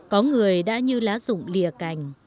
có người đã như lá rụng lìa cành